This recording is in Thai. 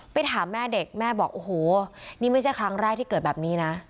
ถามแม่เด็กแม่บอกโอ้โหนี่ไม่ใช่ครั้งแรกที่เกิดแบบนี้นะ